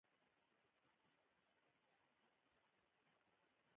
په یو کیمیاوي مرکب کې اتومونو شمیر او نسبت هم ښودل کیږي.